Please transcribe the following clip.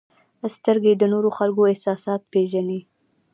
• سترګې د نورو خلکو احساسات پېژني.